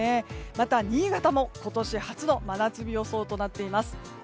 また、新潟も今年初の真夏日予想となっています。